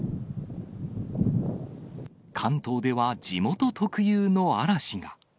関東では地元特有の嵐が。